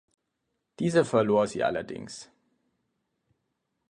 Diese verlor sie allerdings.